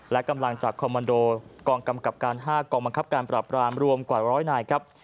และกำลังจากคอมมันโดกองกำกับการ๕กองบังคับการปรับรามรวมกว่า๑๐๐นายครับ